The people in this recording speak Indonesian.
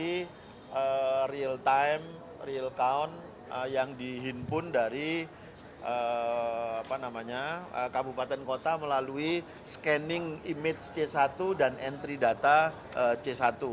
ini real time real count yang dihimpun dari kabupaten kota melalui scanning image c satu dan entry data c satu